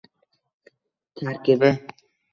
Tarkibi